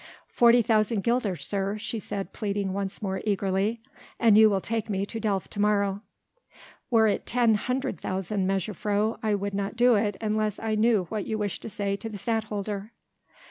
"Forty thousand guilders, sir," she said pleading once more eagerly, "an you will take me to Delft to morrow." "Were it ten hundred thousand, mejuffrouw, I would not do it unless I knew what you wished to say to the Stadtholder."